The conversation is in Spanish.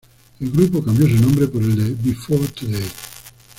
El grupo cambió su nombre por el de Before Today.